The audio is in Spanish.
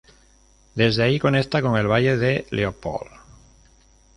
Desde ahí conecta con el valle de Leopold.